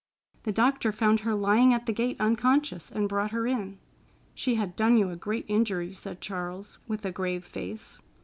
The doctor found her lying at the gate unconscious, and brought her in." "She had done you a great injury," said Charles, with a grave face.